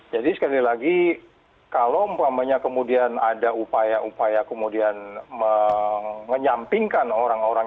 jadi sekali lagi kalau kemudian ada upaya upaya kemudian menyampingkan orang orang